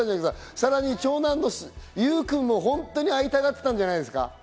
さらに長男の悠くんも本当に会いたがってたんじゃないですか？